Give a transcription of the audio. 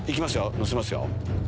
乗せますよ。